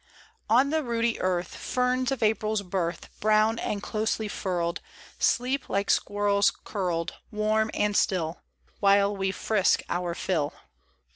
10 On the rooty earth Ferns of April's birth, Brown and closely furled, Sleep like squirrels curled Warm and still ; While we frisk our fill.